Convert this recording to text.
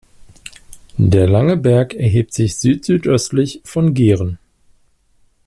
Der Lange Berg erhebt sich südsüdöstlich von Gehren.